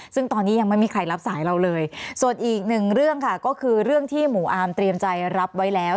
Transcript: ซึ่งตอนนี้ยังไม่มีใครรับสายเราเลยส่วนอีกหนึ่งเรื่องค่ะก็คือเรื่องที่หมู่อาร์มเตรียมใจรับไว้แล้ว